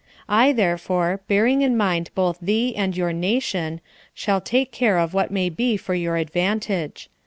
I, therefore, bearing in mind both thee and your nation, shall take care of what may be for your advantage.